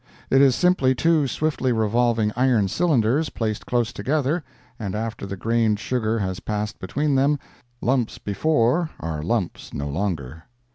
It is simply two swiftly revolving iron cylinders, placed close together, and after the grained sugar has passed between them, lumps before are lumps no longer.